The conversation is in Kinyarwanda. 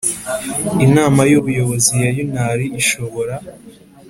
Inama y ubuyobozi ya unr ishobora